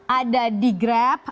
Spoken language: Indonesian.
ada di grab